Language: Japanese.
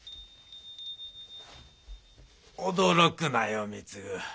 驚くなよ貢。